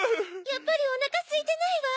やっぱりおなかすいてないわ！